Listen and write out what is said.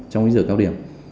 trong ý dự cao điểm